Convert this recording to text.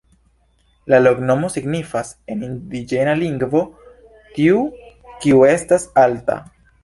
La loknomo signifas en indiĝena lingvo: tiu kiu estas alta.